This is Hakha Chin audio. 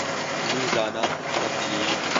Nizaan ah ka rak tli.